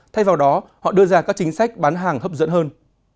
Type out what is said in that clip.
thay vào đó họ đưa ra các chính sách bán hàng hấp dẫn hơn